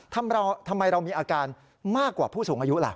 ทำไมเรามีอาการมากกว่าผู้สูงอายุล่ะ